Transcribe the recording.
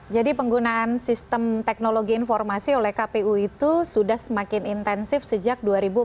jadi penggunaan sistem teknologi informasi oleh kpu itu sudah semakin intensif sejak dua ribu empat belas